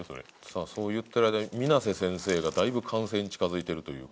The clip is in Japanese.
さあそう言ってる間に水瀬先生がだいぶ完成に近づいてるという。